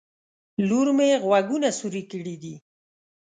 لور مې غوږونه سوروي کړي دي